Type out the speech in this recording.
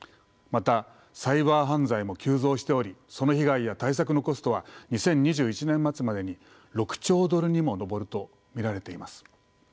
またサイバー犯罪も急増しておりその被害や対策のコストは２０２１年末までに６兆ドルにも上ると見られています。